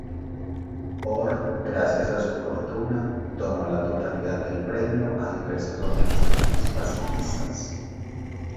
Orr, gracias a su fortuna, donó la totalidad del premio a diversas organizaciones pacifistas.